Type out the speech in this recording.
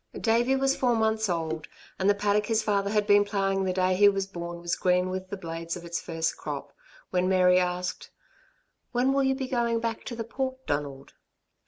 Davey was four months old, and the paddock his father had been ploughing the day he was born was green with the blades of its first crop, when Mary asked: "When will you be going back to the Port, Donald?"